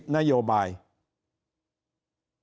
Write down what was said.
เป็นนโยบายคิดใหญ่๑๐นโยบาย